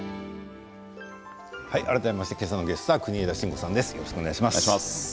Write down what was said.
改めまして本日のゲスト国枝慎吾さんです。